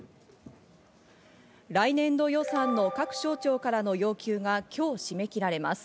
来年度予算の各省庁からの要求が今日、締め切られます。